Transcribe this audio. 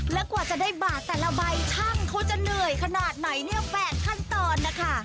แล้วกว่าจะได้บาทแต่ละใบช่างเขาจะเหนื่อยขนาดไหนเนี่ย๘ขั้นตอนนะคะ